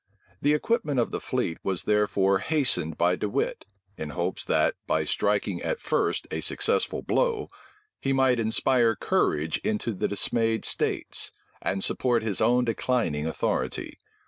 The equipment of the fleet was therefore hastened by De Wit; in hopes that, by striking at first a successful blow, he might inspire courage into the dismayed states, and support his own declining authority.